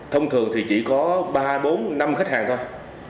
thông thường thì chỉ có ba bốn năm khách hàng thôi